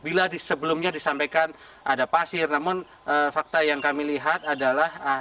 bila sebelumnya disampaikan ada pasir namun fakta yang kami lihat adalah